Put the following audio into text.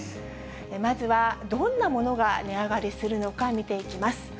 まずは、どんな物が値上がりするのか見ていきます。